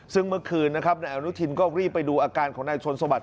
ซึ่งเมื่อคืนนะครับนายอนุทินก็รีบไปดูอาการของนายชนสวัส